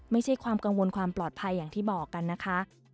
ไม่ใช่ความกังวลความปลอดภัยอย่างที่บอกกันนะคะ